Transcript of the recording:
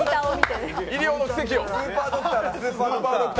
医療の奇跡よ！